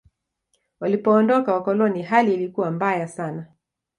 walipoondoka wakoloni hali ilikuwa mbaya sana